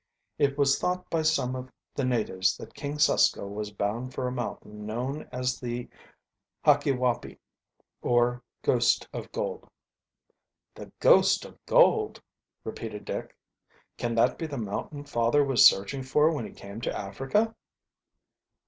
It was thought by some of the natives that King Susko was bound for a mountain known as the Hakiwaupi or Ghost of Gold. "The Ghost of Gold!" repeated Dick. "Can that be the mountain father was searching for when he came to Africa?"